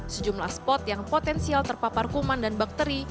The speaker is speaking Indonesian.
sejumlah spot yang potensial terpapar kuman dan bakteri